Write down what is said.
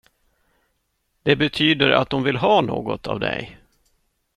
Det betyder att hon vill ha något av dig.